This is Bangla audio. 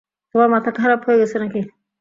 তোমার মাথা খারাপ হয়ে গেছে নাকি।